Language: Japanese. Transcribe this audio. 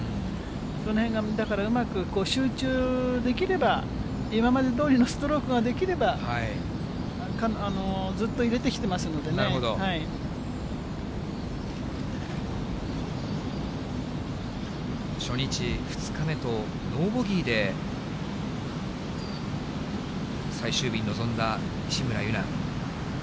そのへんがだから、うまく集中できれば、今までどおりのストロークができれば、ずっと入れてきてますので初日、２日目と、ノーボギーで、最終日に臨んだ西村優菜。